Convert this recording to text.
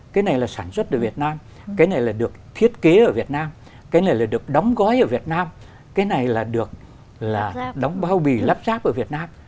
cái này là sản xuất ở việt nam cái này là được thiết kế ở việt nam cái này là được đóng gói ở việt nam cái này là được là đóng bao bì lắp ráp ở việt nam